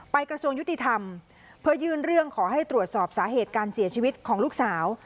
กระทรวงยุติธรรมเพื่อยื่นเรื่องขอให้ตรวจสอบสาเหตุการเสียชีวิตของลูกสาว